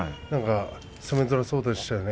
攻めづらそうでしたね